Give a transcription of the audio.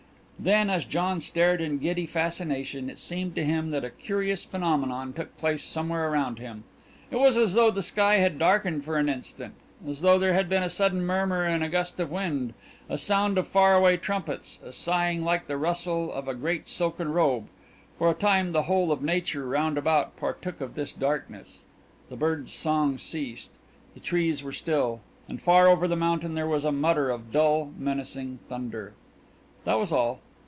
Then, as John stared in giddy fascination, it seemed to him that a curious phenomenon took place somewhere around him. It was as though the sky had darkened for an instant, as though there had been a sudden murmur in a gust of wind, a sound of far away trumpets, a sighing like the rustle of a great silken robe for a time the whole of nature round about partook of this darkness; the birds' song ceased; the trees were still, and far over the mountain there was a mutter of dull, menacing thunder. That was all.